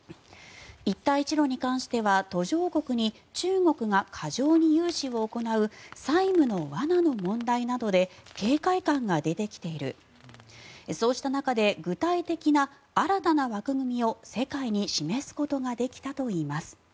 一帯一路に関しては途上国に中国が過剰に融資を行う債務の罠などの問題で警戒感が出てきているそうした中で具体的な新たな枠組みを世界に示すことができたといいます。